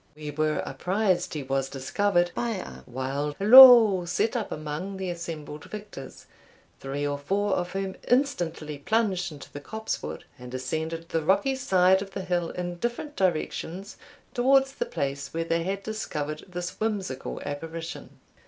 We were apprized he was discovered, by a wild and loud halloo set up among the assembled victors, three or four of whom instantly plunged into the copsewood, and ascended the rocky side of the hill in different directions towards the place where they had discovered this whimsical apparition.